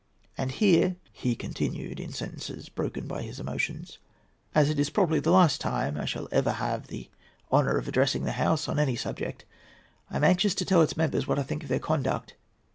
"And here," he continued, in sentences broken by his emotions, "as it is probably the last time I shall ever have the honour of addressing the House on any subject, I am anxious to tell its members what I think of their conduct.